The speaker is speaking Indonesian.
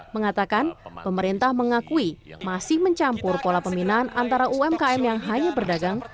mengatakan pemerintah mengakui masih mencampur pola pembinaan antara umkm yang hanya berdagang